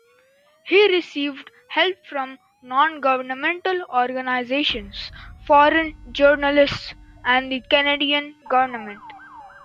He received help from non-governmental organizations, foreign journalists, and the Canadian government.